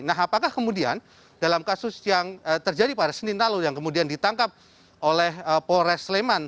nah apakah kemudian dalam kasus yang terjadi pada senin lalu yang kemudian ditangkap oleh polres sleman